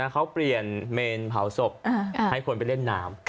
เขาเปลี่ยนเมนเผาศพให้คนไปเล่นน้ำ